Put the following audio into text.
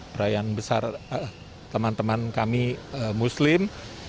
perayaan besar teman teman kami muslim